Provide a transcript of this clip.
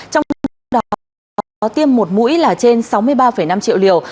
trong năm đó tiêm một mũi là trên sáu mươi ba năm triệu